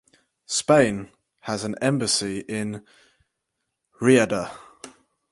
Spain has an embassy in Riyadh.